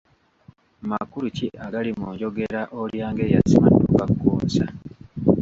Makulu ki agali mu njogera, ‘Olya ng'eyasimattuka Kkunsa'